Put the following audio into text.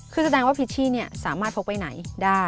คือแสดงว่าพิชชี่เนี่ยสามารถพกไปไหนได้